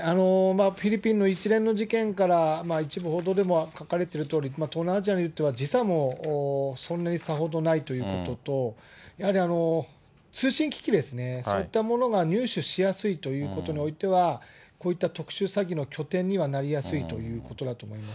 フィリピンの一連の事件から、一部報道でも書かれてるとおり、東南アジアとは時差もそんなにさほどないということと、やはり通信機器ですね、そういったものが入手しやすいということにおいては、こういった特殊詐欺の拠点にはなりやすいということだと思います